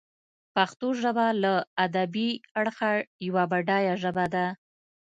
پښتو ژبه له ادبي اړخه یوه بډایه ژبه ده.